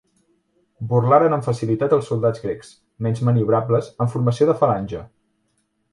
Burlaren amb facilitat els soldats grecs, menys maniobrables, en formació de falange.